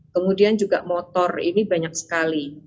kemudian juga motor ini banyak sekali